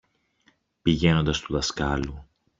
πηγαίνοντας στου δασκάλου